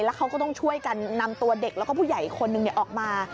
เขาก็ต้องช่วยกันนำตัวเด็กแล้วก็ผู้ใหญ่อีกคนนึงออกมา